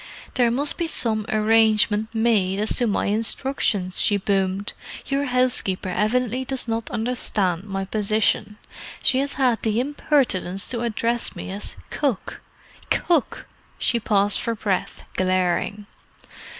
"There must be some arrangement made as to my instructions," she boomed. "Your housekeeper evidently does not understand my position. She has had the impertinence to address me as 'Cook.' Cook!" She paused for breath, glaring.